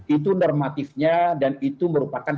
itu normatifnya dan itu merupakan